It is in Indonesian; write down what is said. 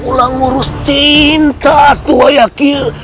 pulang ngurus cinta tua yakin